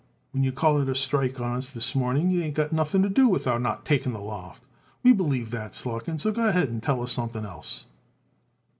"When you call it a strike on us this morning, that ain't got nothing to do with our taking the loft. We believe that, Slotkin; so go ahead and tell us something else."